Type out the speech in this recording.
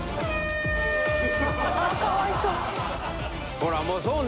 あかわいそう。